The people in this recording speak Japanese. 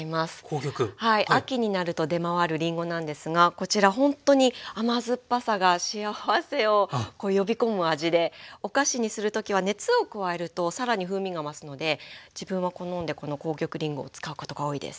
秋になると出回るりんごなんですがこちらほんとに甘酸っぱさが幸せを呼び込む味でお菓子にする時は熱を加えると更に風味が増すので自分は好んでこの紅玉りんごを使うことが多いです。